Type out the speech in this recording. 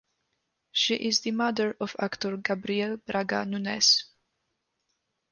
She is the mother of actor Gabriel Braga Nunes.